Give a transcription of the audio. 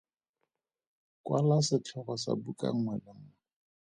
Kwala setlhogo sa buka nngwe le nngwe.